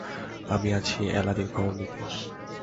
আমি আছি এলাদির খবর নিতে।